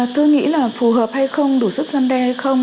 tôi nghĩ là phù hợp hay không đủ sức gian đe hay không